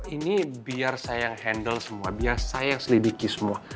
ini biar saya yang handle semua biar saya yang selidiki semua